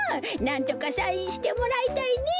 なんとかサインしてもらいたいねえ。